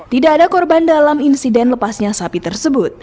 tidak ada korban dalam insiden lepasnya sapi tersebut